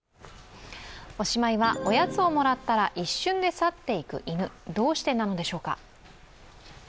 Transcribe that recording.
おしまいは、おやつをもらったら一瞬で去っていく犬、どうしてなのでしょうか。